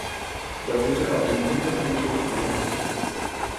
Er wurde auf dem Rieder Friedhof beerdigt.